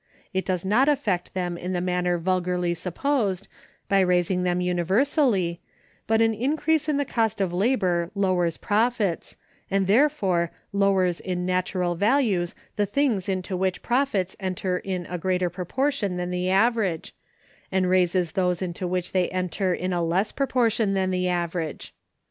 It does not affect them in the manner vulgarly supposed, by raising them universally; but an increase in the cost of labor lowers profits, and therefore lowers in natural values the things into which profits enter in a greater proportion than the average, and raises those into which they enter in a less proportion than the average.